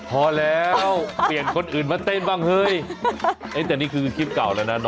พอแล้วเปลี่ยนคนอื่นมาเต้นบ้างเฮ้ยแต่นี่คือคลิปเก่าแล้วนะ